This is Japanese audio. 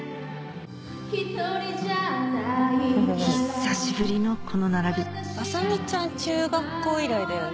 久しぶりのこの並び麻美ちゃん中学校以来だよね？